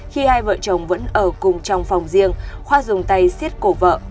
khi hai vợ chồng vẫn ở cùng trong phòng riêng khoa dùng tay xiết cổ vợ